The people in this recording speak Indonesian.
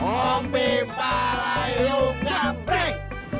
mopi palayu capek